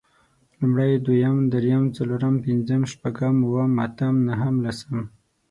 لومړی، دويم، درېيم، څلورم، پنځم، شپږم، اووم، اتم نهم، لسم